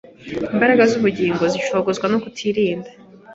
imbaraga z’ubugingo zicogozwa no kutirinda